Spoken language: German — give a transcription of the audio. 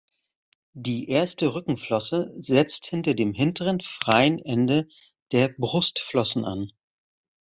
Die erste Rückenflosse setzt hinter dem hinteren freien Ende der Brustflossen an.